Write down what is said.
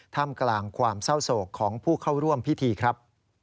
ท่ามกลางความเศร้าโศกของผู้เข้าร่วมพิธีครับ